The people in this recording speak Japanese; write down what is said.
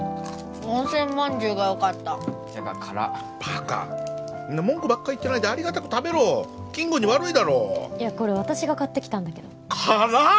温泉まんじゅうがよかったてか辛っバカみんな文句ばっか言ってないでありがたく食べろキングに悪いだろいやこれ私が買ってきたんだけど辛っ！